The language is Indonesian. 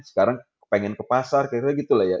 sekarang pengen ke pasar kayaknya gitu lah ya